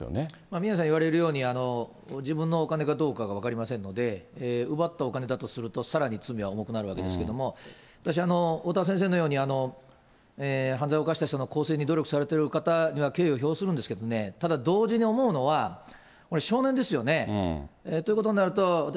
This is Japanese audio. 宮根さん言われるように、自分のお金かどうかが分かりませんので、奪ったお金だとすると、さらに罪は重くなるわけですけれども、私、おおたわ先生のように、犯罪を犯した人の更生に努力されてる方には敬意を表するんですけどね、ただ、同時に思うのは、これ、少年ですよね。ということになると、私